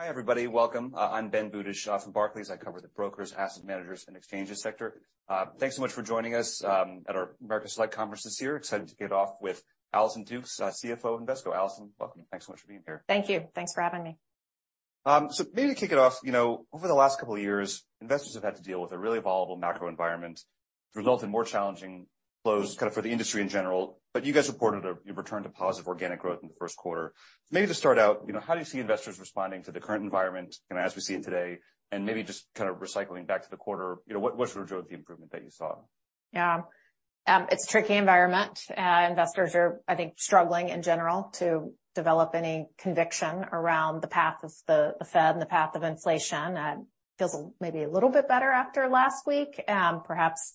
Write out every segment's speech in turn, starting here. Hi, everybody. Welcome. I'm Ben Budish from Barclays. I cover the brokers, asset managers, and exchanges sector. Thanks so much for joining us at our Americas Select Franchise Conference this year. Excited to kick it off with Allison Dukes, CFO Invesco. Allison, welcome. Thanks so much for being here. Thank you. Thanks for having me. Maybe to kick it off, you know, over the last couple of years, investors have had to deal with a really volatile macro environment, resulting in more challenging flows kind of for the industry in general. You guys reported a return to positive organic growth in the first quarter. Maybe to start out, you know, how do you see investors responding to the current environment, kind of as we see it today, and maybe just kind of recycling back to the quarter, you know, what drove the improvement that you saw? Yeah. It's a tricky environment. Investors are, I think, struggling in general to develop any conviction around the path of the Fed and the path of inflation. Feels maybe a little bit better after last week, perhaps,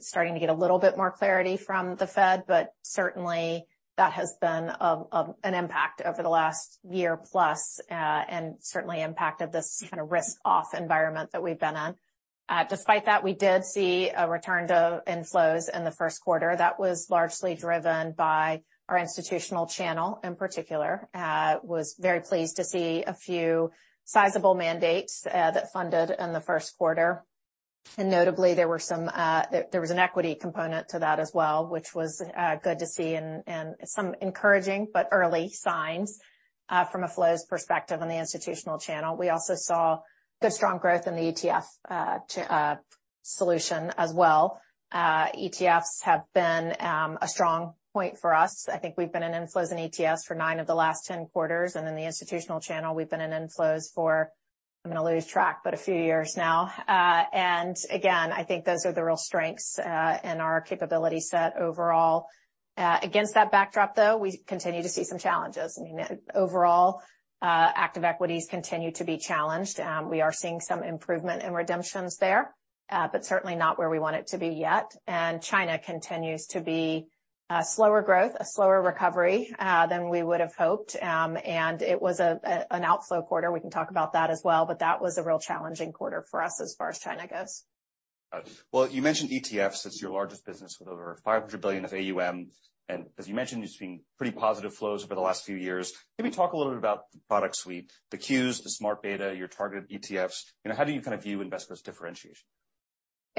starting to get a little bit more clarity from the Fed, but certainly that has been of an impact over the last year plus, and certainly impacted this kinda risk-off environment that we've been in. Despite that, we did see a return to inflows in the first quarter. That was largely driven by our institutional channel in particular. Was very pleased to see a few sizable mandates that funded in the first quarter. Notably, there were some, there was an equity component to that as well, which was good to see and some encouraging but early signs from a flows perspective on the institutional channel. We also saw good, strong growth in the ETF solution as well. ETFs have been a strong point for us. I think we've been in inflows in ETFs for nine of the last 10 quarters, and in the institutional channel, we've been in inflows for, I'm gonna lose track, but a few years now. Again, I think those are the real strengths in our capability set overall. Against that backdrop, though, we continue to see some challenges. I mean, overall, active equities continue to be challenged. We are seeing some improvement in redemptions there, but certainly not where we want it to be yet. China continues to be slower growth, a slower recovery than we would have hoped. It was an outflow quarter. We can talk about that as well, but that was a real challenging quarter for us as far as China goes. Well, you mentioned ETFs. It's your largest business with over $500 billion of AUM. As you mentioned, it's been pretty positive flows over the last few years. Maybe talk a little bit about the product suite, the Qs, the smart beta, your targeted ETFs. You know, how do you kind of view Invesco's differentiation? Yeah.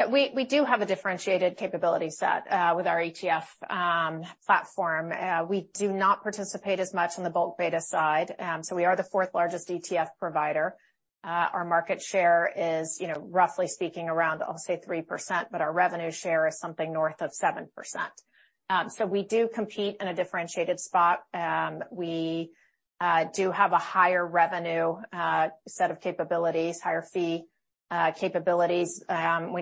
We do have a differentiated capability set with our ETF platform. We do not participate as much on the bulk beta side. We are the fourth-largest ETF provider. Our market share is, you know, roughly speaking, around, I'll say 3%, but our revenue share is something north of 7%. We do compete in a differentiated spot. We do have a higher revenue set of capabilities, higher fee capabilities. When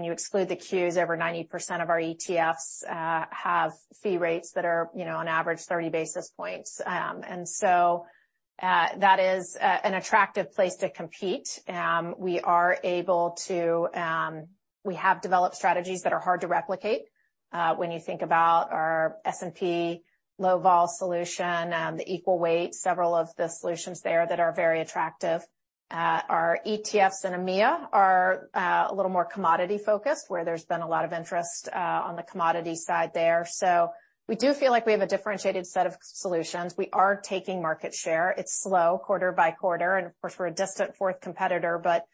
you exclude the Qs, over 90% of our ETFs have fee rates that are, you know, on average 30 basis points. That is an attractive place to compete. We have developed strategies that are hard to replicate. When you think about our S&P Low Vol solution, the equal weight, several of the solutions there that are very attractive. Our ETFs in EMEA are a little more commodity-focused, where there's been a lot of interest on the commodity side there. We do feel like we have a differentiated set of solutions. We are taking market share. It's slow quarter by quarter, and of course, we're a distant fourth competitor, but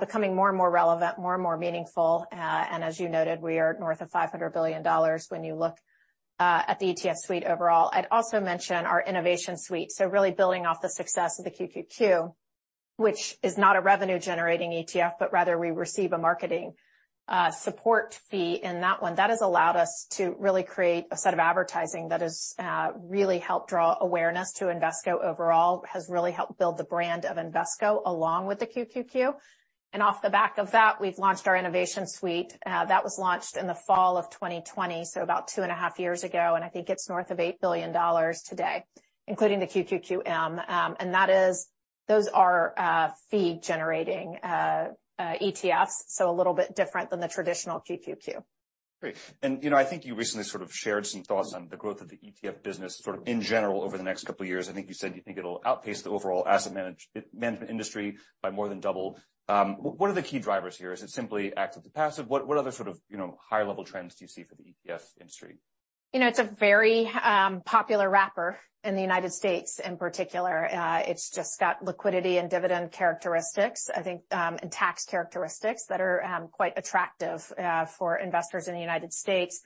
becoming more and more relevant, more and more meaningful. And as you noted, we are north of $500 billion when you look at the ETF suite overall. I'd also mention our Innovation Suite, so really building off the success of the QQQ, which is not a revenue-generating ETF, but rather we receive a marketing support fee in that one. That has allowed us to really create a set of advertising that has really helped draw awareness to Invesco overall, has really helped build the brand of Invesco along with the QQQ. Off the back of that, we've launched our Innovation Suite. That was launched in the fall of 2020, so about two and a half years ago, and I think it's north of $8 billion today, including the QQQM. Those are fee-generating ETFs, so a little bit different than the traditional QQQ. Great. You know, I think you recently sort of shared some thoughts on the growth of the ETF business, sort of in general over the next couple of years. I think you said you think it'll outpace the overall asset management industry by more than double. What are the key drivers here? Is it simply active to passive? What other sort of, you know, high-level trends do you see for the ETF industry? You know, it's a very popular wrapper in the U.S. in particular. It's just got liquidity and dividend characteristics, I think, and tax characteristics that are quite attractive for investors in the U.S..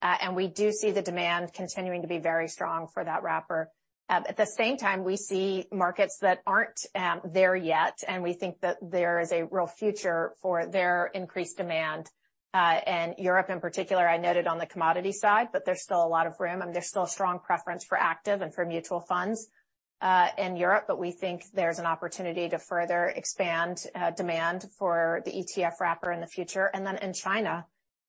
And we do see the demand continuing to be very strong for that wrapper. At the same time, we see markets that aren't there yet, and we think that there is a real future for their increased demand. And Europe in particular, I noted on the commodity side, but there's still a lot of room. I mean, there's still a strong preference for active and for mutual funds in Europe, but we think there's an opportunity to further expand demand for the ETF wrapper in the future. And then in China,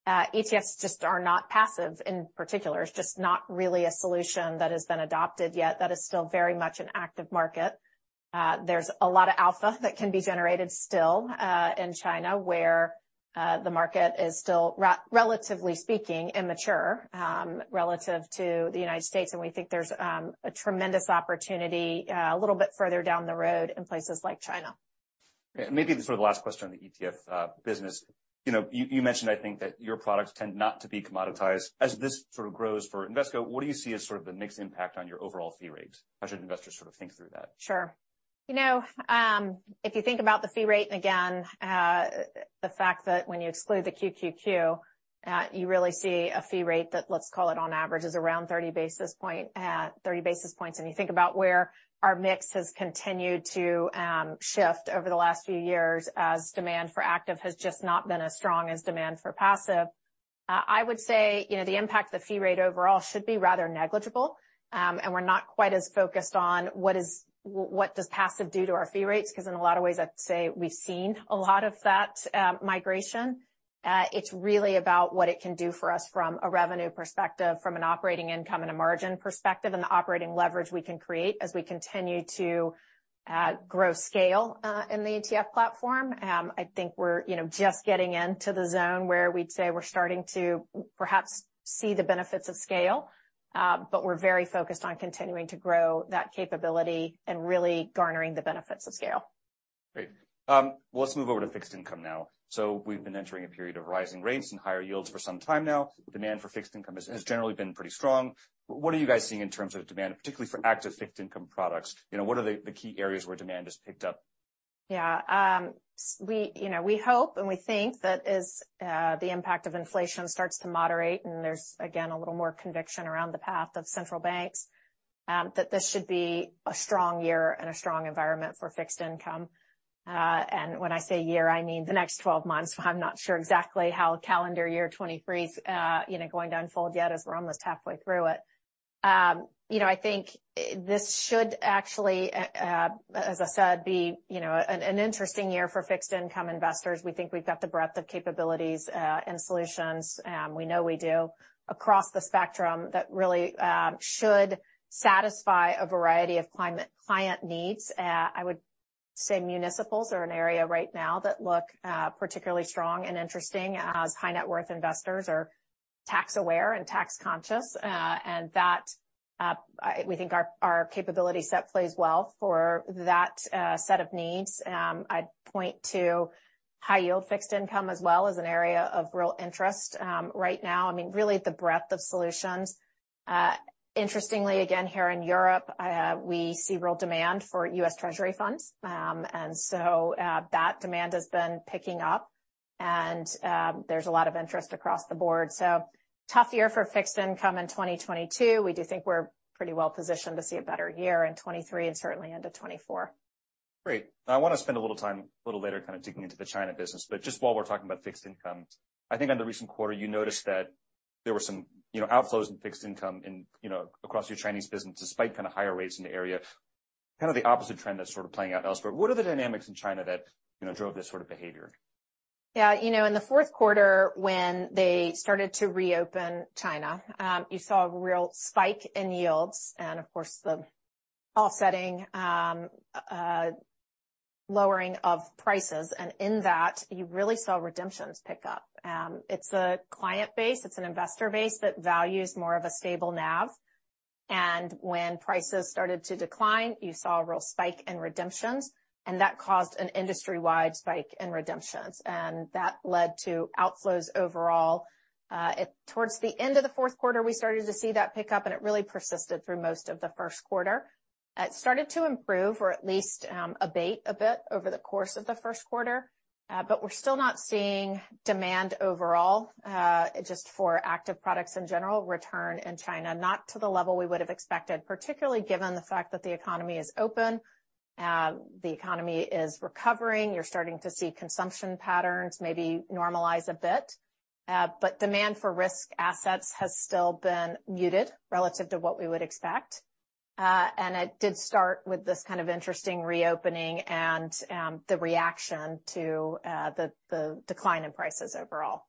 ETFs just are not passive in particular. It's just not really a solution that has been adopted yet. That is still very much an active market. There's a lot of alpha that can be generated still, in China, where the market is still relatively speaking, immature, relative to the U.S.. We think there's a tremendous opportunity, a little bit further down the road in places like China. Maybe sort of the last question on the ETF business. You know, you mentioned, I think, that your products tend not to be commoditized. As this sort of grows for Invesco, what do you see as sort of the mixed impact on your overall fee rates? How should investors sort of think through that? Sure. You know, if you think about the fee rate, again, the fact that when you exclude the QQQ, you really see a fee rate that, let's call it on average, is around 30 basis points. You think about where our mix has continued to shift over the last few years as demand for active has just not been as strong as demand for passive. I would say, you know, the impact of the fee rate overall should be rather negligible. We're not quite as focused on what does passive do to our fee rates, 'cause in a lot of ways, I'd say we've seen a lot of that migration. It's really about what it can do for us from a revenue perspective, from an operating income and a margin perspective, and the operating leverage we can create as we continue to grow scale in the ETF platform. I think we're, you know, just getting into the zone where we'd say we're starting to perhaps see the benefits of scale. We're very focused on continuing to grow that capability and really garnering the benefits of scale. Great. Well, let's move over to fixed income now. We've been entering a period of rising rates and higher yields for some time now. Demand for fixed income has generally been pretty strong. What are you guys seeing in terms of demand, particularly for active fixed income products? You know, what are the key areas where demand has picked up? Yeah. We, you know, we hope and we think that as the impact of inflation starts to moderate, and there's, again, a little more conviction around the path of central banks, that this should be a strong year and a strong environment for fixed income. When I say year, I mean the next 12 months. I'm not sure exactly how calendar year 2023's, you know, going to unfold yet as we're almost halfway through it. You know, I think this should actually, as I said, be, you know, an interesting year for fixed income investors. We think we've got the breadth of capabilities and solutions, we know we do, across the spectrum that really should satisfy a variety of client needs. I would say municipals are an area right now that look particularly strong and interesting as high net worth investors are tax-aware and tax-conscious. That, we think our capability set plays well for that set of needs. I'd point to high yield fixed income as well as an area of real interest right now. I mean, really the breadth of solutions. Interestingly, again, here in Europe, we see real demand for U.S. Treasury funds. That demand has been picking up and there's a lot of interest across the board. Tough year for fixed income in 2022. We do think we're pretty well-positioned to see a better year in 2023 and certainly into 2024. Great. I wanna spend a little time a little later kind of digging into the China business. Just while we're talking about fixed income, I think on the recent quarter, you noticed that there were some, you know, outflows in fixed income in, you know, across your Chinese business, despite kind of higher rates in the area. Kind of the opposite trend that's sort of playing out elsewhere. What are the dynamics in China that, you know, drove this sort of behavior? Yeah. You know, in the fourth quarter, when they started to reopen China, you saw a real spike in yields and of course, the offsetting, lowering of prices. In that, you really saw redemptions pick up. It's a client base, it's an investor base that values more of a stable NAV. When prices started to decline, you saw a real spike in redemptions, and that caused an industry-wide spike in redemptions, and that led to outflows overall. Towards the end of the fourth quarter, we started to see that pick up, and it really persisted through most of the first quarter. It started to improve or at least, abate a bit over the course of the first quarter. We're still not seeing demand overall, just for active products in general return in China, not to the level we would have expected, particularly given the fact that the economy is open, the economy is recovering. You're starting to see consumption patterns maybe normalize a bit. Demand for risk assets has still been muted relative to what we would expect. It did start with this kind of interesting reopening and the reaction to the decline in prices overall.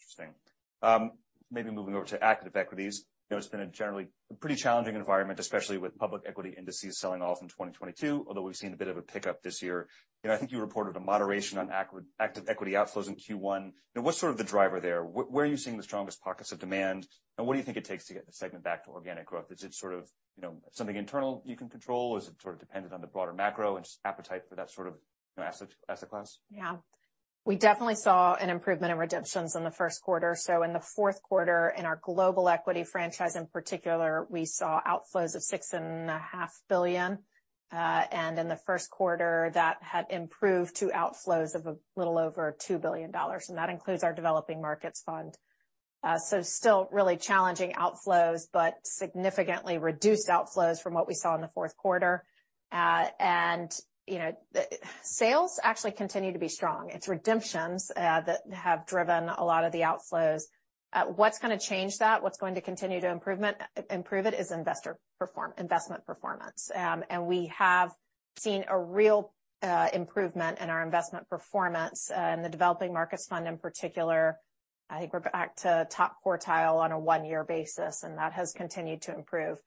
Interesting. Maybe moving over to active equities. You know, it's been a generally pretty challenging environment, especially with public equity indices selling off in 2022, although we've seen a bit of a pickup this year. You know, I think you reported a moderation on active equity outflows in Q1. You know, what's sort of the driver there? Where are you seeing the strongest pockets of demand? What do you think it takes to get the segment back to organic growth? Is it sort of, you know, something internal you can control? Is it sort of dependent on the broader macro and just appetite for that sort of, you know, asset class? Yeah. We definitely saw an improvement in redemptions in the first quarter. In the fourth quarter, in our global equity franchise in particular, we saw outflows of $6.5 billion. In the first quarter, that had improved to outflows of a little over $2 billion, and that includes our Developing Markets Fund. Still really challenging outflows, but significantly reduced outflows from what we saw in the fourth quarter. You know, sales actually continue to be strong. It's redemptions that have driven a lot of the outflows. What's gonna change that, what's going to continue to improve it is investment performance. We have seen a real improvement in our investment performance in the Developing Markets Fund in particular. I think we're back to top quartile on a one-year basis, and that has continued to improve.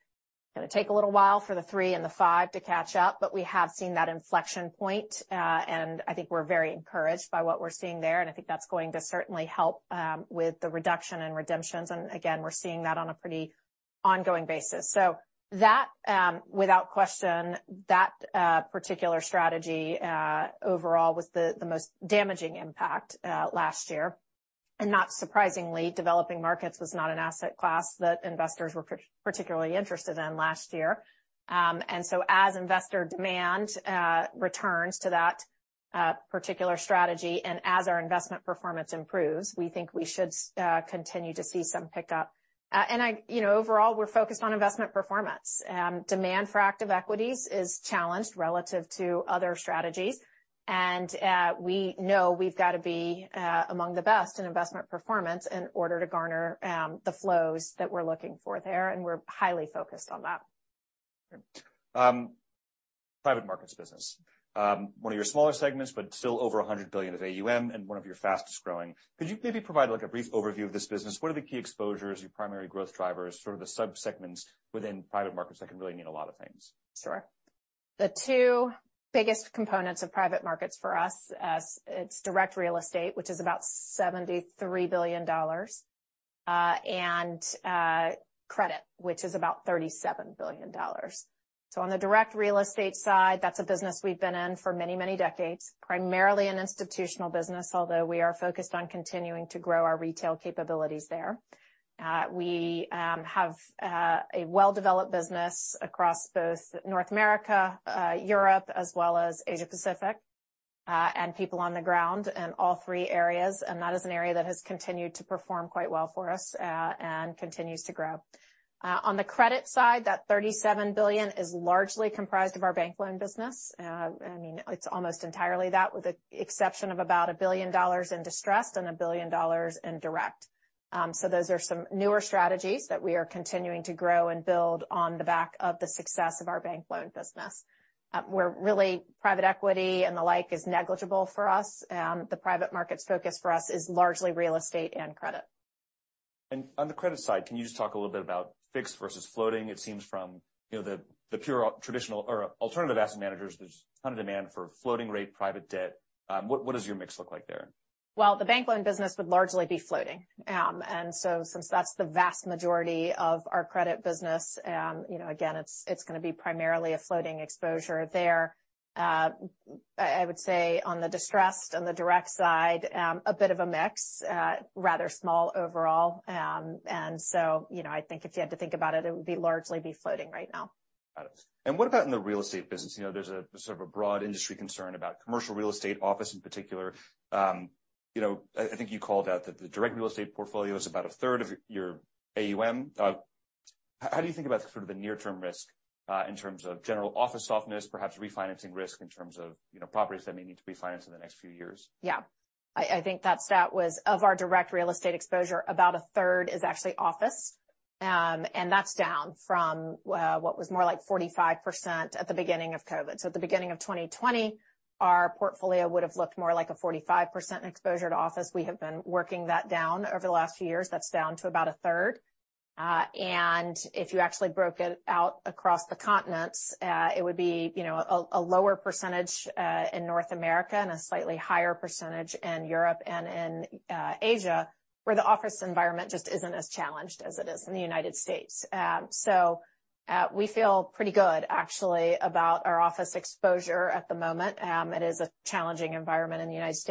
Gonna take a little while for the three and the five to catch up, but we have seen that inflection point, and I think we're very encouraged by what we're seeing there, and I think that's going to certainly help with the reduction in redemptions. Again, we're seeing that on a pretty ongoing basis. That, without question, that particular strategy overall was the most damaging impact last year. Not surprisingly, developing markets was not an asset class that investors were particularly interested in last year. As investor demand returns to that particular strategy and as our investment performance improves, we think we should continue to see some pickup. You know, overall, we're focused on investment performance. Demand for active equities is challenged relative to other strategies. We know we've gotta be, among the best in investment performance in order to garner, the flows that we're looking for there, and we're highly focused on that. Private markets business. One of your smaller segments, but still over $100 billion of AUM and one of your fastest-growing. Could you maybe provide, like, a brief overview of this business? What are the key exposures, your primary growth drivers, sort of the sub-segments within private markets that can really mean a lot of things? Sure. The two biggest components of private markets for us as it's direct real estate, which is about $73 billion, and credit, which is about $37 billion. On the direct real estate side, that's a business we've been in for many, many decades, primarily an institutional business, although we are focused on continuing to grow our retail capabilities there. We have a well-developed business across both North America, Europe, as well as Asia Pacific, and people on the ground in all three areas. That is an area that has continued to perform quite well for us, and continues to grow. On the credit side, that $37 billion is largely comprised of our bank loan business. I mean, it's almost entirely that, with the exception of about $1 billion in distressed and $1 billion in direct. Those are some newer strategies that we are continuing to grow and build on the back of the success of our bank loan business. We're really private equity and the like is negligible for us. The private markets focus for us is largely real estate and credit. On the credit side, can you just talk a little bit about fixed versus floating? It seems from, you know, the pure traditional or alternative asset managers, there's ton of demand for floating rate private debt. What does your mix look like there? Well, the bank loan business would largely be floating. Since that's the vast majority of our credit business, you know, again, it's gonna be primarily a floating exposure there. I would say on the distressed, on the direct side, a bit of a mix, rather small overall. You know, I think if you had to think about it would be largely be floating right now. Got it. What about in the real estate business? You know, there's a, sort of a broad industry concern about commercial real estate office in particular. You know, I think you called out that the direct real estate portfolio is about a third of your AUM. How do you think about sort of the near term risk, in terms of general office softness, perhaps refinancing risk in terms of, you know, properties that may need to be financed in the next few years? I think that stat was of our direct real estate exposure, about a third is actually office. That's down from what was more like 45% at the beginning of COVID. At the beginning of 2020, our portfolio would've looked more like a 45% exposure to office. We have been working that down over the last few years. That's down to about a third. If you actually broke it out across the continents, it would be, you know, a lower percentage in North America and a slightly higher percentage in Europe and in Asia, where the office environment just isn't as challenged as it is in the U.S.. We feel pretty good actually about our office exposure at the moment. It is a challenging environment in the U.S..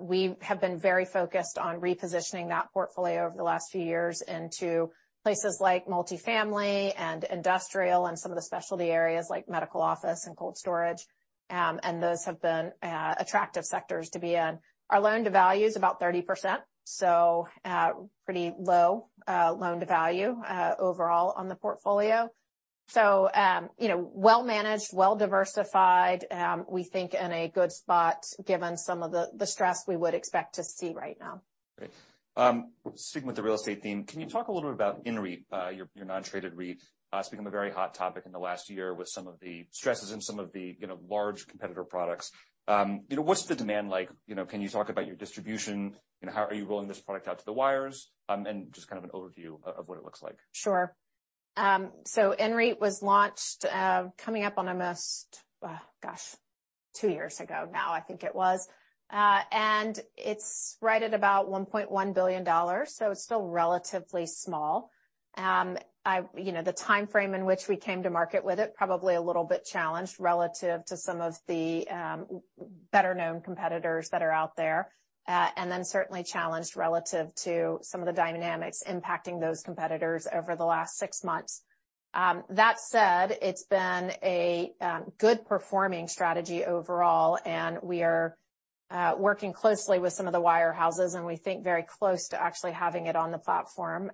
We have been very focused on repositioning that portfolio over the last few years into places like multifamily and industrial and some of the specialty areas like medical office and cold storage. Those have been attractive sectors to be in. Our loan to value is about 30%, so pretty low loan to value overall on the portfolio. You know, well-managed, well-diversified, we think in a good spot given some of the stress we would expect to see right now. Great. Sticking with the real estate theme, can you talk a little bit about INREIT, your non-traded REIT? It's become a very hot topic in the last year with some of the stresses in some of the, you know, large competitor products. You know, what's the demand like? You know, can you talk about your distribution? You know, how are you rolling this product out to the wires? Just kind of an overview of what it looks like. Sure. INREIT was launched, coming up on almost two years ago now, I think it was. And it's right at about $1.1 billion, so it's still relatively small. You know, the timeframe in which we came to market with it, probably a little bit challenged relative to some of the better-known competitors that are out there. And then certainly challenged relative to some of the dynamics impacting those competitors over the last six months. That said, it's been a good performing strategy overall, and we are working closely with some of the wirehouses, and we think very close to actually having it on the platform.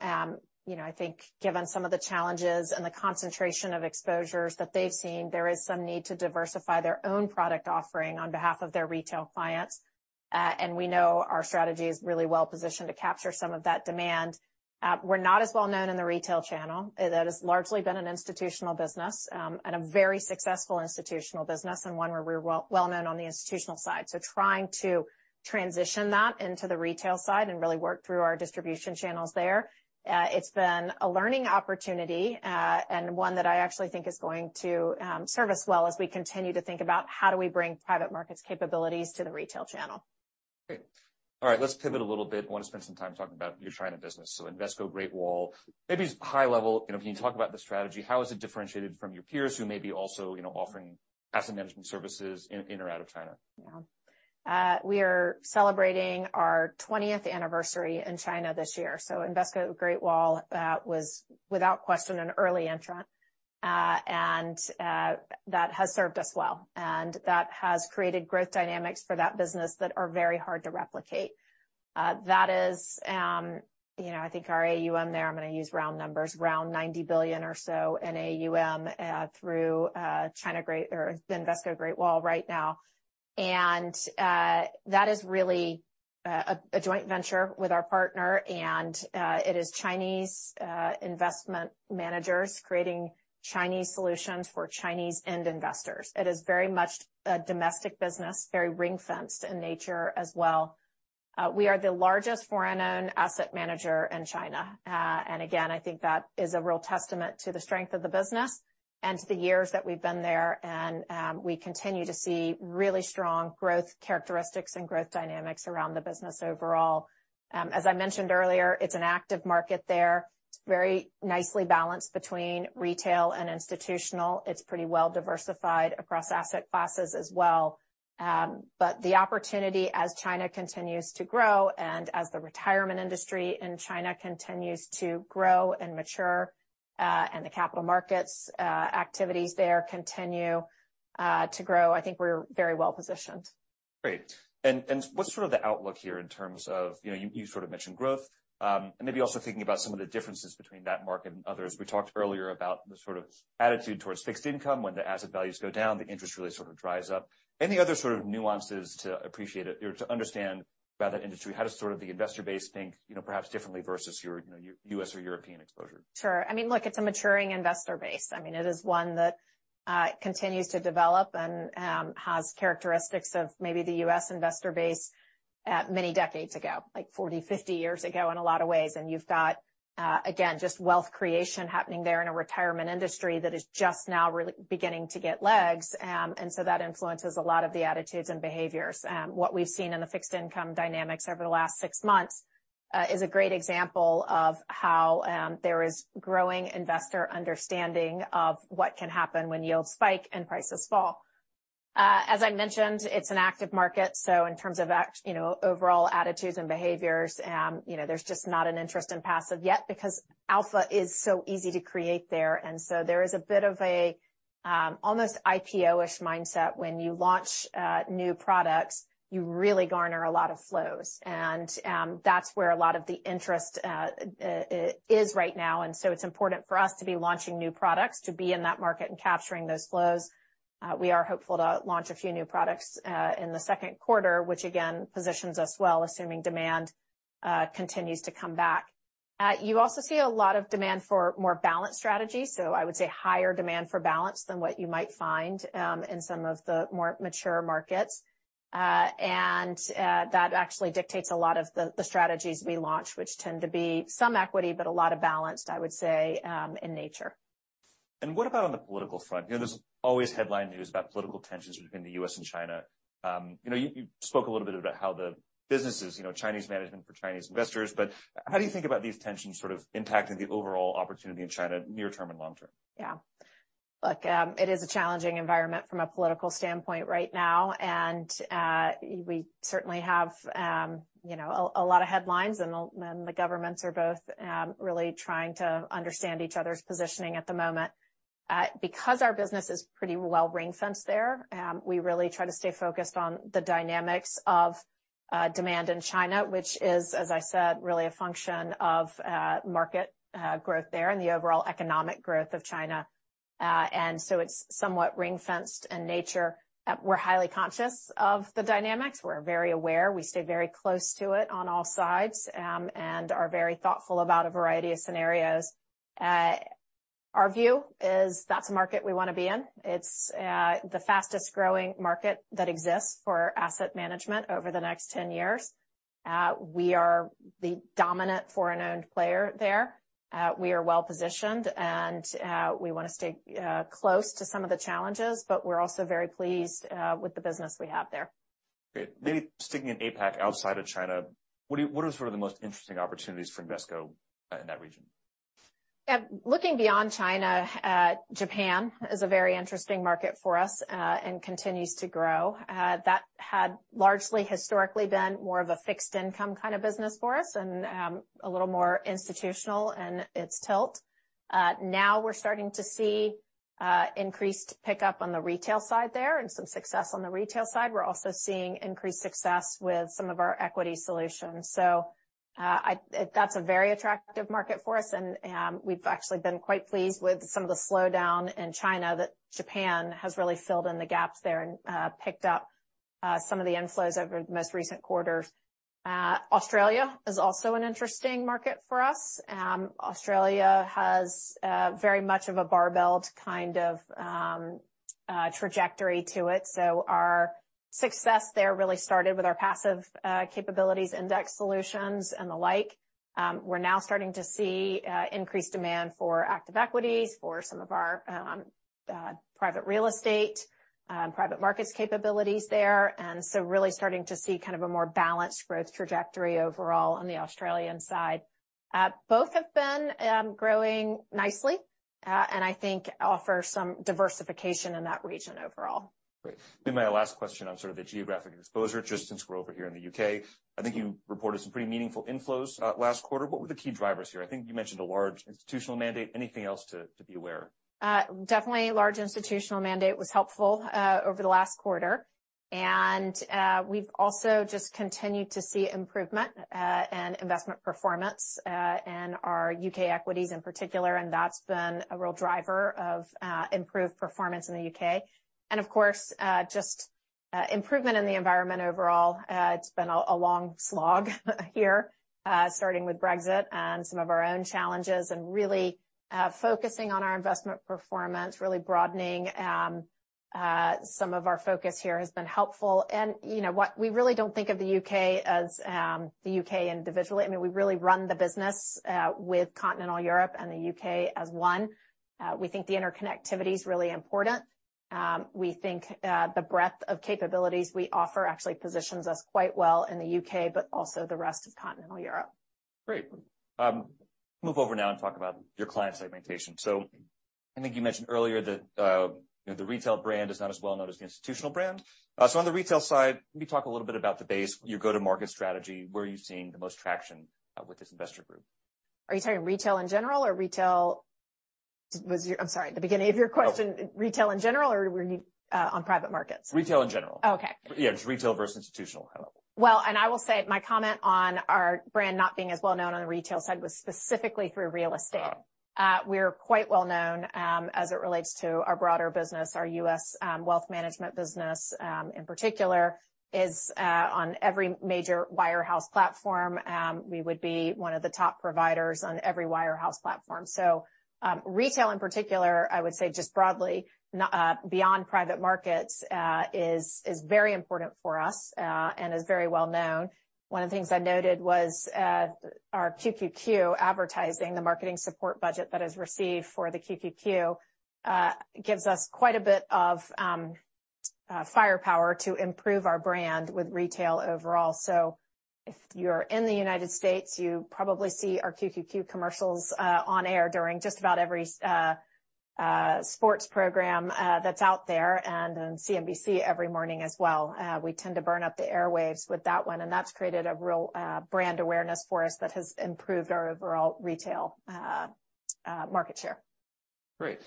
You know, I think given some of the challenges and the concentration of exposures that they've seen, there is some need to diversify their own product offering on behalf of their retail clients. We know our strategy is really well positioned to capture some of that demand. We're not as well known in the retail channel. That has largely been an institutional business, and a very successful institutional business, and one where we're well known on the institutional side. Trying to transition that into the retail side and really work through our distribution channels there. It's been a learning opportunity, and one that I actually think is going to serve us well as we continue to think about how do we bring private markets capabilities to the retail channel. Great. All right, let's pivot a little bit. I wanna spend some time talking about your China business. Invesco Great Wall, maybe just high level, you know, can you talk about the strategy? How is it differentiated from your peers who may be also, you know, offering asset management services in or out of China? Yeah. We are celebrating our 20th anniversary in China this year, Invesco Great Wall was, without question, an early entrant. That has served us well, and that has created growth dynamics for that business that are very hard to replicate. That is, you know, I think our AUM there, I'm gonna use round numbers, around $90 billion or so in AUM through Great Wall or Invesco Great Wall right now. That is really a joint venture with our partner and it is Chinese investment managers creating Chinese solutions for Chinese end investors. It is very much a domestic business, very ring-fenced in nature as well. We are the largest foreign-owned asset manager in China. Again, I think that is a real testament to the strength of the business and to the years that we've been there, and we continue to see really strong growth characteristics and growth dynamics around the business overall. As I mentioned earlier, it's an active market there. It's very nicely balanced between retail and institutional. It's pretty well diversified across asset classes as well. The opportunity as China continues to grow and as the retirement industry in China continues to grow and mature, and the capital markets activities there continue to grow, I think we're very well-positioned. Great. What's sort of the outlook here in terms of, you know, you sort of mentioned growth. Maybe also thinking about some of the differences between that market and others. We talked earlier about the sort of attitude towards fixed income. When the asset values go down, the interest really sort of dries up. Any other sort of nuances to appreciate it or to understand about that industry? How does sort of the investor base think, you know, perhaps differently versus your, you know, U.S. or European exposure? Sure. I mean, look, it's a maturing investor base. I mean, it is one that continues to develop and has characteristics of maybe the U.S. investor base many decades ago, like 40, 50 years ago in a lot of ways. You've got again, just wealth creation happening there in a retirement industry that is just now really beginning to get legs. That influences a lot of the attitudes and behaviors. What we've seen in the fixed income dynamics over the last six months is a great example of how there is growing investor understanding of what can happen when yields spike and prices fall. As I mentioned, it's an active market, so in terms of you know, overall attitudes and behaviors, you know, there's just not an interest in passive yet because alpha is so easy to create there. There is a bit of a, almost IPO-ish mindset when you launch new products. You really garner a lot of flows and that's where a lot of the interest is right now, and so it's important for us to be launching new products to be in that market and capturing those flows. We are hopeful to launch a few new products in the second quarter, which again, positions us well, assuming demand continues to come back. You also see a lot of demand for more balanced strategies, so I would say higher demand for balance than what you might find in some of the more mature markets. That actually dictates a lot of the strategies we launch, which tend to be some equity, but a lot of balanced, I would say, in nature. What about on the political front? You know, there's always headline news about political tensions between the U.S. and China. You know, you spoke a little bit about how the business is, you know, Chinese management for Chinese investors, but how do you think about these tensions sort of impacting the overall opportunity in China near term and long term? Yeah. Look, it is a challenging environment from a political standpoint right now, and we certainly have, you know, a lot of headlines, and the governments are both really trying to understand each other's positioning at the moment. Because our business is pretty well ring-fenced there, we really try to stay focused on the dynamics of demand in China, which is, as I said, really a function of market growth there and the overall economic growth of China. It's somewhat ring-fenced in nature. We're highly conscious of the dynamics. We're very aware. We stay very close to it on all sides, and are very thoughtful about a variety of scenarios. Our view is that's a market we wanna be in. It's the fastest-growing market that exists for asset management over the next 10 years. We are the dominant foreign-owned player there. We are well-positioned, and we wanna stay close to some of the challenges, but we're also very pleased with the business we have there. Great. Maybe sticking in APAC outside of China, what are sort of the most interesting opportunities for Invesco in that region? Yeah. Looking beyond China, Japan is a very interesting market for us and continues to grow. That had largely historically been more of a fixed income kind of business for us and a little more institutional in its tilt. Now we're starting to see increased pickup on the retail side there and some success on the retail side. We're also seeing increased success with some of our equity solutions. That's a very attractive market for us, and we've actually been quite pleased with some of the slowdown in China that Japan has really filled in the gaps there and picked up some of the inflows over the most recent quarters. Australia is also an interesting market for us. Australia has very much of a barbelled kind of trajectory to it. Our success there really started with our passive capabilities, index solutions and the like. We're now starting to see increased demand for active equities for some of our private real estate, private markets capabilities there. Really starting to see kind of a more balanced growth trajectory overall on the Australian side. Both have been growing nicely and I think offer some diversification in that region overall. Great. My last question on sort of the geographic exposure, just since we're over here in the U.K. I think you reported some pretty meaningful inflows last quarter. What were the key drivers here? I think you mentioned a large institutional mandate. Anything else to be aware of? Definitely large institutional mandate was helpful, over the last quarter. We've also just continued to see improvement, in investment performance, in our U.K. equities in particular, and that's been a real driver of improved performance in the U.K. Of course, just improvement in the environment overall. It's been a long slog here, starting with Brexit and some of our own challenges, and really, focusing on our investment performance, really broadening, some of our focus here has been helpful. You know what? We really don't think of the U.K. as, the U.K. individually. I mean, we really run the business, with continental Europe and the U.K. as one. We think the interconnectivity is really important. We think, the breadth of capabilities we offer actually positions us quite well in the U.K., but also the rest of continental Europe. Great. Move over now and talk about your client segmentation. I think you mentioned earlier that, you know, the retail brand is not as well-known as the institutional brand. On the retail side, can you talk a little bit about the base, your go-to-market strategy? Where are you seeing the most traction, with this investor group? Are you talking retail in general or retail... I'm sorry. The beginning of your question, retail in general or were you on private markets? Retail in general. Okay. Yeah, just retail versus institutional kind of level. I will say my comment on our brand not being as well-known on the retail side was specifically through real estate. Oh. We're quite well-known as it relates to our broader business. Our U.S. wealth management business, in particular, is on every major wirehouse platform. We would be one of the top providers on every wirehouse platform. Retail in particular, I would say just broadly, beyond private markets, is very important for us and is very well-known. One of the things I noted was our QQQ advertising, the marketing support budget that is received for the QQQ, gives us quite a bit of firepower to improve our brand with retail overall. If you're in the U.S., you probably see our QQQ commercials on air during just about every sports program that's out there and on CNBC every morning as well. we tend to burn up the airwaves with that one, and that's created a real brand awareness for us that has improved our overall retail market share. Great.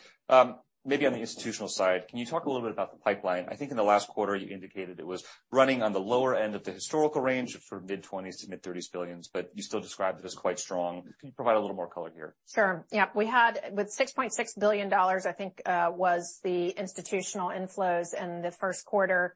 maybe on the institutional side, can you talk a little bit about the pipeline? I think in the last quarter, you indicated it was running on the lower end of the historical range, sort of mid-twenties to mid-thirties $ billions, but you still described it as quite strong. Can you provide a little more color here? Sure. Yeah. With $6.6 billion, I think, was the institutional inflows in the first quarter.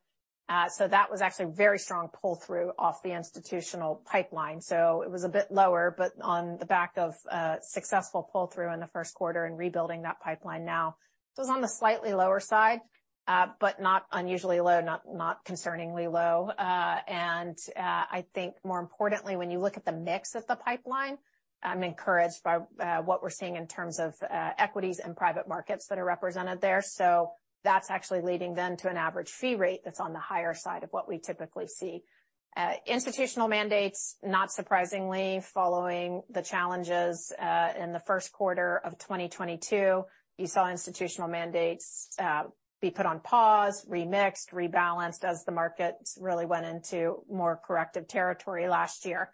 That was actually very strong pull-through off the institutional pipeline. It was a bit lower, but on the back of a successful pull-through in the first quarter and rebuilding that pipeline now. It's on the slightly lower side, but not unusually low, not concerningly low. I think more importantly, when you look at the mix of the pipeline, I'm encouraged by what we're seeing in terms of equities and private markets that are represented there. That's actually leading then to an average fee rate that's on the higher side of what we typically see. Institutional mandates, not surprisingly, following the challenges in the first quarter of 2022, you saw institutional mandates be put on pause, remixed, rebalanced, as the markets really went into more corrective territory last year.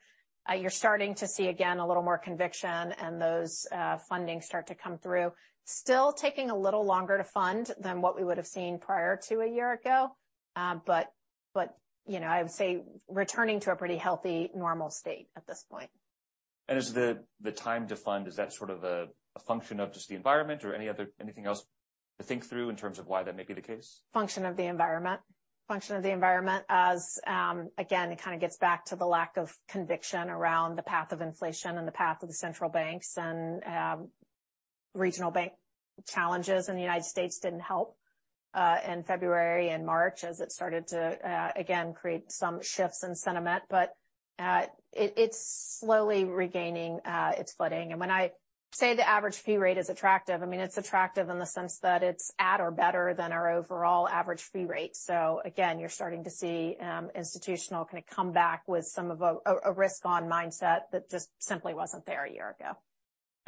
You're starting to see, again, a little more conviction and those fundings start to come through. Still taking a little longer to fund than what we would have seen prior to a year ago. You know, I would say returning to a pretty healthy normal state at this point. Is the time to fund, is that sort of a function of just the environment or anything else to think through in terms of why that may be the case? Function of the environment. Function of the environment as again, it kind of gets back to the lack of conviction around the path of inflation and the path of the central banks. Regional bank challenges in the U.S. didn't help in February and March as it started to again, create some shifts in sentiment. It's slowly regaining its footing. When I say the average fee rate is attractive, I mean, it's attractive in the sense that it's at or better than our overall average fee rate. Again, you're starting to see institutional kinda come back with some of a risk-on mindset that just simply wasn't there a year ago.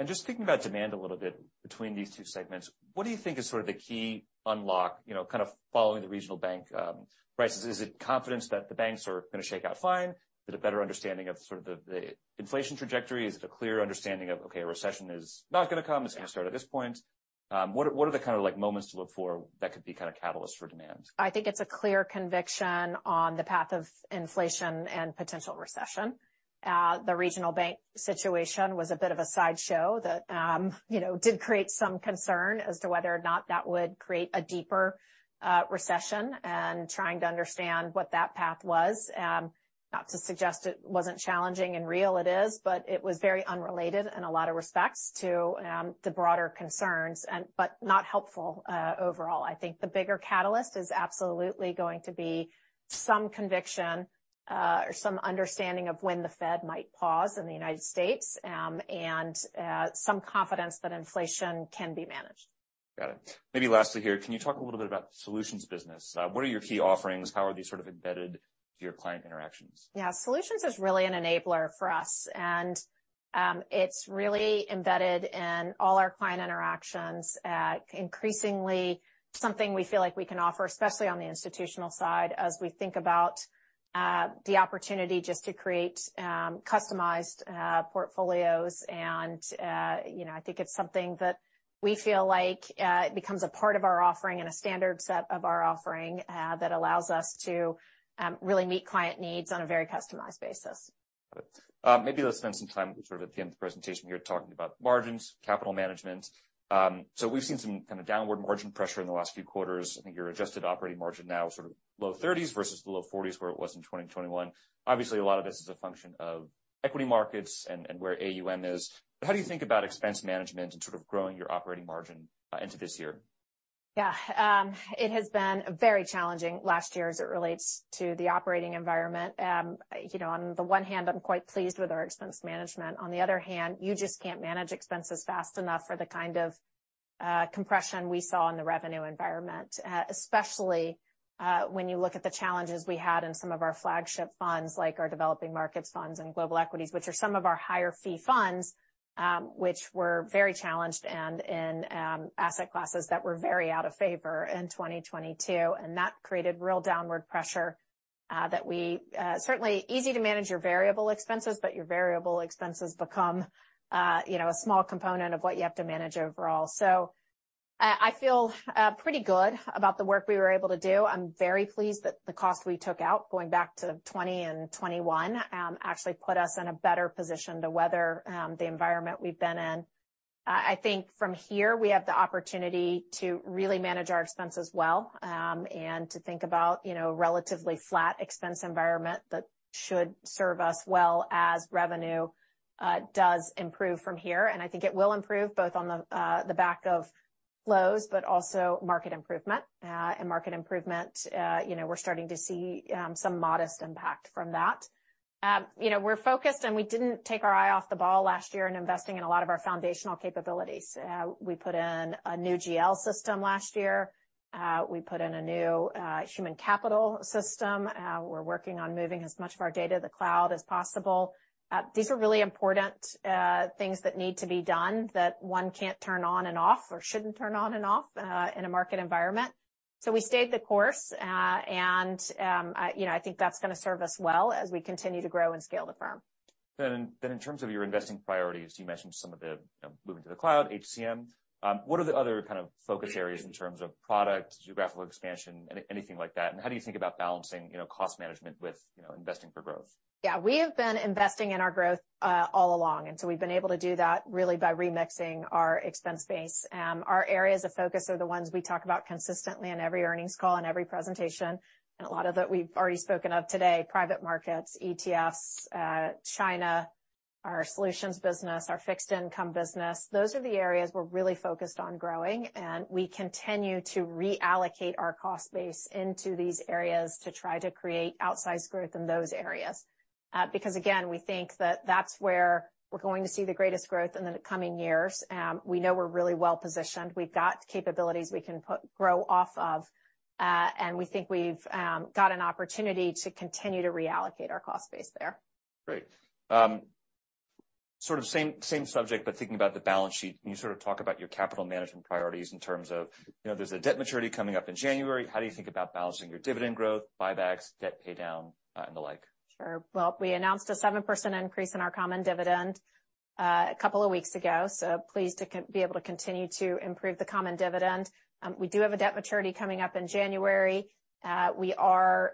Just thinking about demand a little bit between these two segments, what do you think is sort of the key unlock, you know, kind of following the regional bank crisis? Is it confidence that the banks are gonna shake out fine? Is it a better understanding of sort of the inflation trajectory? Is it a clear understanding of, okay, a recession is not gonna come, it's gonna start at this point? What are the kinda like moments to look for that could be kinda catalyst for demand? I think it's a clear conviction on the path of inflation and potential recession. The regional bank situation was a bit of a sideshow that, you know, did create some concern as to whether or not that would create a deeper recession and trying to understand what that path was. Not to suggest it wasn't challenging and real, it is, but it was very unrelated in a lot of respects to the broader concerns but not helpful overall. I think the bigger catalyst is absolutely going to be some conviction or some understanding of when the Fed might pause in the U.S., and some confidence that inflation can be managed. Got it. Maybe lastly here, can you talk a little bit about the solutions business? What are your key offerings? How are these sort of embedded to your client interactions? Yeah. Solutions is really an enabler for us, and it's really embedded in all our client interactions, increasingly something we feel like we can offer, especially on the institutional side as we think about the opportunity just to create customized portfolios. You know, I think it's something that we feel like it becomes a part of our offering and a standard set of our offering that allows us to really meet client needs on a very customized basis. Got it. Maybe let's spend some time sort of at the end of the presentation here talking about margins, capital management. We've seen some kind of downward margin pressure in the last few quarters. I think your adjusted operating margin now is sort of low 30s versus the low 40s, where it was in 2021. Obviously, a lot of this is a function of equity markets and where AUM is. How do you think about expense management and sort of growing your operating margin into this year? Yeah. It has been very challenging last year as it relates to the operating environment. You know, on the one hand, I'm quite pleased with our expense management. On the other hand, you just can't manage expenses fast enough for the kind of compression we saw in the revenue environment, especially when you look at the challenges we had in some of our flagship funds, like our Developing Markets funds and Global Equities, which are some of our higher fee funds, which were very challenged and in asset classes that were very out of favor in 2022. That created real downward pressure that we certainly easy to manage your variable expenses, but your variable expenses become, you know, a small component of what you have to manage overall. I feel pretty good about the work we were able to do. I'm very pleased that the cost we took out going back to 20 and 21, actually put us in a better position to weather the environment we've been in. I think from here we have the opportunity to really manage our expenses well, and to think about, you know, relatively flat expense environment that should serve us well as revenue does improve from here. I think it will improve both on the back of flows but also market improvement. Market improvement, you know, we're starting to see some modest impact from that. You know, we're focused, and we didn't take our eye off the ball last year in investing in a lot of our foundational capabilities. We put in a new GL system last year. We put in a new human capital system. We're working on moving as much of our data to the cloud as possible. These are really important things that need to be done that one can't turn on and off or shouldn't turn on and off in a market environment. We stayed the course, and, you know, I think that's gonna serve us well as we continue to grow and scale the firm. In terms of your investing priorities, you mentioned some of the, you know, moving to the cloud, HCM. What are the other kind of focus areas in terms of product, geographical expansion, anything like that? How do you think about balancing, you know, cost management with, you know, investing for growth? Yeah. We have been investing in our growth, all along. We've been able to do that really by remixing our expense base. Our areas of focus are the ones we talk about consistently on every earnings call and every presentation. A lot of it we've already spoken of today, private markets, ETFs, China, our solutions business, our fixed income business. Those are the areas we're really focused on growing. We continue to reallocate our cost base into these areas to try to create outsized growth in those areas. Again, we think that that's where we're going to see the greatest growth in the coming years. We know we're really well-positioned. We've got capabilities we can grow off of. We think we've got an opportunity to continue to reallocate our cost base there. Great. sort of same subject, but thinking about the balance sheet. Can you sort of talk about your capital management priorities in terms of, you know, there's a debt maturity coming up in January. How do you think about balancing your dividend growth, buybacks, debt paydown, and the like? Sure. Well, we announced a 7% increase in our common dividend, a couple of weeks ago, so pleased to be able to continue to improve the common dividend. We do have a debt maturity coming up in January. We are,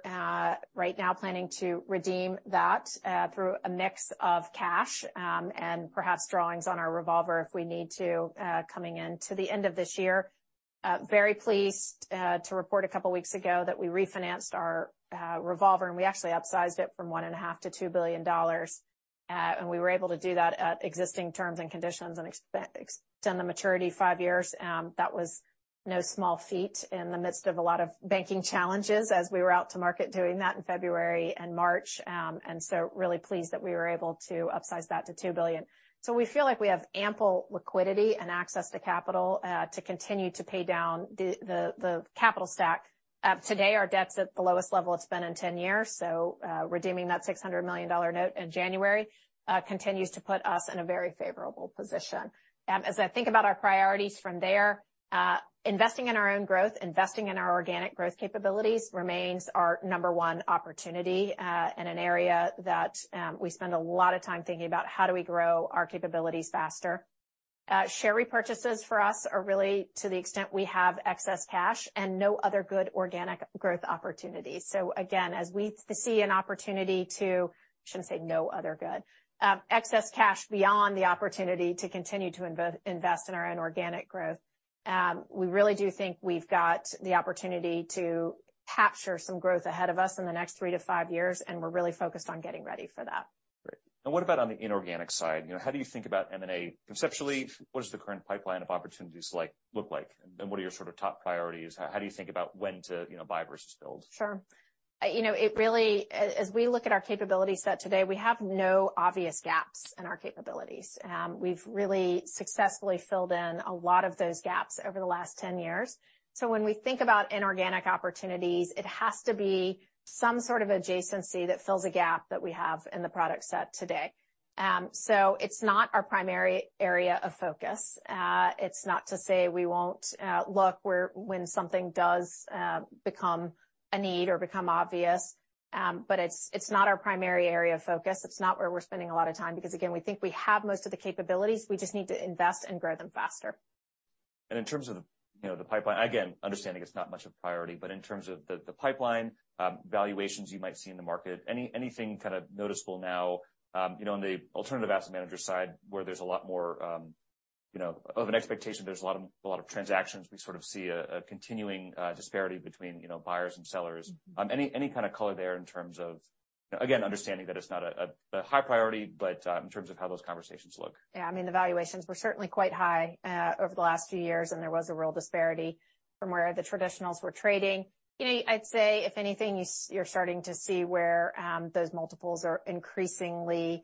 right now planning to redeem that, through a mix of cash, and perhaps drawings on our revolver if we need to, coming in to the end of this year. Very pleased, to report a couple weeks ago that we refinanced our revolver, and we actually upsized it from $1.5 billion-$2 billion. We were able to do that at existing terms and conditions and extend the maturity five years. That was no small feat in the midst of a lot of banking challenges as we were out to market doing that in February and March. Really pleased that we were able to upsize that to $2 billion. We feel like we have ample liquidity and access to capital to continue to pay down the capital stack. Today our debt's at the lowest level it's been in 10 years, so redeeming that $600 million note in January continues to put us in a very favorable position. As I think about our priorities from there, investing in our own growth, investing in our organic growth capabilities remains our number one opportunity and an area that we spend a lot of time thinking about how do we grow our capabilities faster. Share repurchases for us are really to the extent we have excess cash and no other good organic growth opportunities. Shouldn't say no other good. Excess cash beyond the opportunity to continue to invest in our own organic growth, we really do think we've got the opportunity to capture some growth ahead of us in the next three to five years, we're really focused on getting ready for that. Great. What about on the inorganic side? You know, how do you think about M&A conceptually? What does the current pipeline of opportunities look like? What are your sort of top priorities? How do you think about when to, you know, buy versus build? Sure. You know, as we look at our capability set today, we have no obvious gaps in our capabilities. We've really successfully filled in a lot of those gaps over the last 10 years. When we think about inorganic opportunities, it has to be some sort of adjacency that fills a gap that we have in the product set today. It's not our primary area of focus. It's not to say we won't, when something does become a need or become obvious, it's not our primary area of focus. It's not where we're spending a lot of time because, again, we think we have most of the capabilities. We just need to invest and grow them faster. In terms of, you know, the pipeline, again, understanding it's not much of a priority, but in terms of the pipeline, valuations you might see in the market, anything kind of noticeable now, you know, on the alternative asset manager side where there's a lot more, you know, of an expectation, there's a lot of transactions. We sort of see a continuing disparity between, you know, buyers and sellers. Any kind of color there in terms of, again, understanding that it's not a high priority, but in terms of how those conversations look? Yeah. I mean, the valuations were certainly quite high over the last few years, and there was a real disparity from where the traditionals were trading. You know, I'd say if anything, you're starting to see where those multiples are increasingly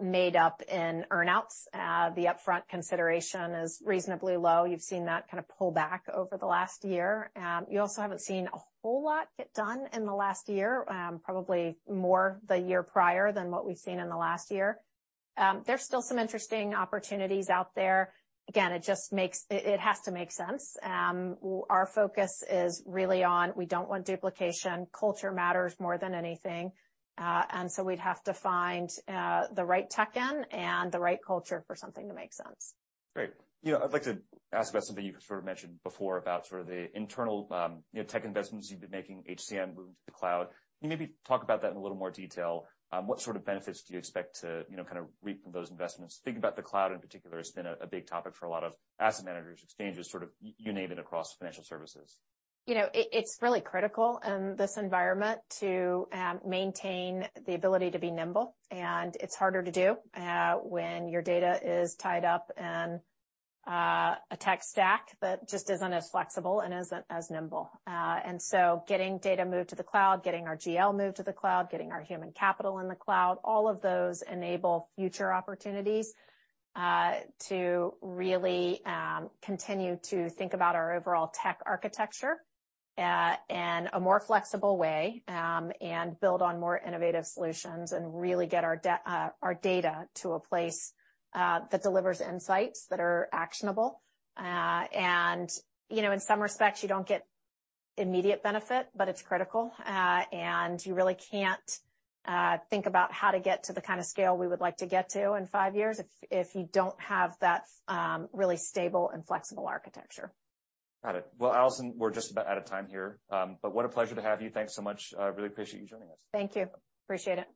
made up in earn-outs. The upfront consideration is reasonably low. You've seen that kind of pull back over the last year. You also haven't seen a whole lot get done in the last year, probably more the year prior than what we've seen in the last year. There's still some interesting opportunities out there. Again, it has to make sense. Our focus is really on we don't want duplication, culture matters more than anything. We'd have to find the right tech in and the right culture for something to make sense. Great. You know, I'd like to ask about something you sort of mentioned before about sort of the internal, you know, tech investments you've been making, HCM, moving to the cloud. Can you maybe talk about that in a little more detail? What sort of benefits do you expect to, you know, kind of reap from those investments? Thinking about the cloud in particular, it's been a big topic for a lot of asset managers, exchanges, sort of you name it, across financial services. You know, it's really critical in this environment to maintain the ability to be nimble, and it's harder to do when your data is tied up in a tech stack that just isn't as flexible and isn't as nimble. Getting data moved to the cloud, getting our GL moved to the cloud, getting our human capital in the cloud, all of those enable future opportunities to really continue to think about our overall tech architecture in a more flexible way and build on more innovative solutions and really get our data to a place that delivers insights that are actionable. You know, in some respects, you don't get immediate benefit, but it's critical. You really can't think about how to get to the kind of scale we would like to get to in five years if you don't have that really stable and flexible architecture. Got it. Well, Allison, we're just about out of time here. What a pleasure to have you. Thanks so much. Really appreciate you joining us. Thank you. Appreciate it.